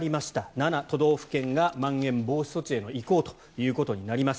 ７都道府県がまん延防止措置への移行ということになります。